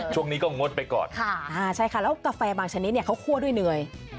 ช่วงนี้ก็งดไปก่อนใช่ค่ะแล้วกาแฟบางชนิดเนี่ยเขาคั่วด้วยเนย